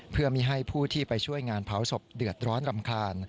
เพื่อไม่ให้ผู้ที่ไปช่วยงานเผาศพเดือดร้อนรำคาญ